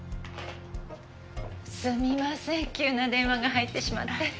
すみません急な電話が入ってしまって。